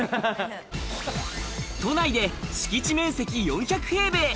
都内で敷地面積４００平米。